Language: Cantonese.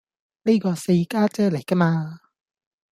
呢個四家姐嚟㗎嘛